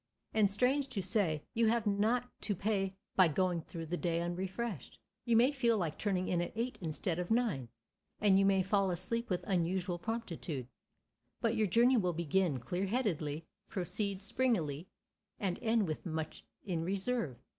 And, strange to say, you have not to pay by going through the day unrefreshed. You may feel like turning in at eight instead of nine, and you may fall asleep with unusual promptitude, but your journey will begin clear headedly, proceed springily, and end with much in reserve.